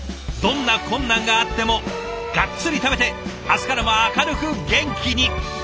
どんな困難があってもがっつり食べて明日からも明るく元気に！